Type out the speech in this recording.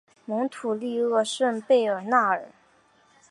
蒙图利厄圣贝尔纳尔。